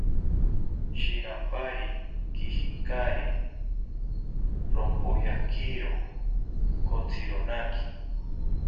Shirampari kijinkari, rompojakiro kotzironaki